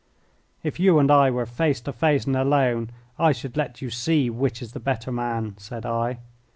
"If you and I were face to face and alone, I should let you see which is the better man," said I.